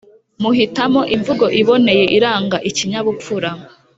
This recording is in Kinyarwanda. muhitamo imvugo iboneye iranga ikinyabupfura